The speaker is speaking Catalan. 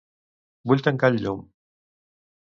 Vull tancar el llum.